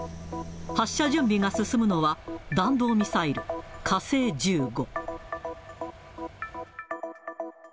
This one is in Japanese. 発射準備が進むのは、弾道ミサイル、火星１５。